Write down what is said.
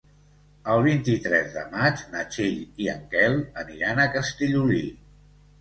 El vint-i-tres de maig na Txell i en Quel aniran a Castellolí.